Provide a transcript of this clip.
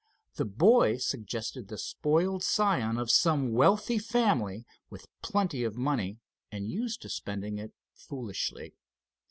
The boy suggested the spoiled scion of some wealthy family, with plenty of money, and used to spending it foolishly.